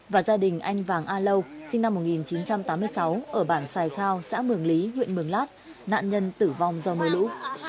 và gia đình anh vàng a lâu sinh năm một nghìn chín trăm tám mươi sáu ở bản sài khao xã mường lý huyện mường lát nạn nhân tử vong do mưa lũ